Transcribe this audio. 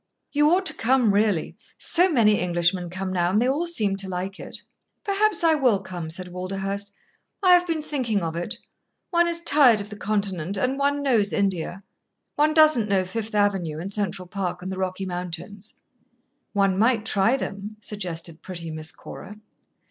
"You ought to come, really. So many Englishmen come now, and they all seem to like it." "Perhaps I will come," said Walderhurst. "I have been thinking of it. One is tired of the Continent and one knows India. One doesn't know Fifth Avenue, and Central Park, and the Rocky Mountains." "One might try them," suggested pretty Miss Cora.